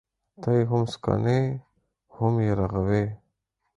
ته يې هم سکڼې ، هم يې رغوې.